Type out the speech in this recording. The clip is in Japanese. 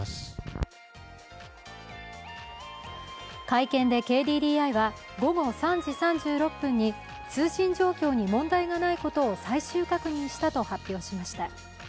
会見でＫＤＤＩは午後３時３６分に通信状況に問題がないことを最終確認したと発表しました。